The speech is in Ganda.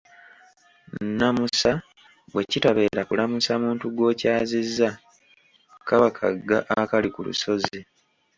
Nnamusa bwe kitabeera kulamusa muntu gw’okyazizza kaba kagga akali ku lusozi.